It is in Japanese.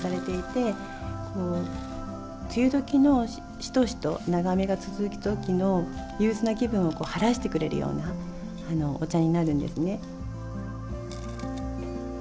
こう梅雨時のしとしと長雨が続く時の憂鬱な気分を晴らしてくれるようなお茶になるんですね。